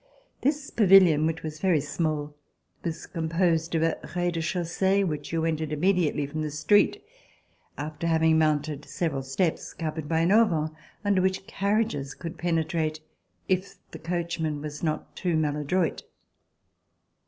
This pavilion, which was very small, was composed of a rez de chausseey which you entered immediately RECOLLECTIONS OF THE REVOLUTION from the street, after having mounted several steps covered by an auvent under which carriages could penetrate if the coachman was not too maladroit.